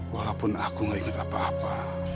walaupun aku gak ingat apa apa